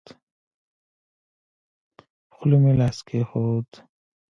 په خوله مې لاس کېښود.